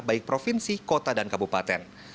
baik provinsi kota dan kabupaten